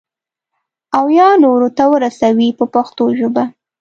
او یا نورو ته ورسوي په پښتو ژبه.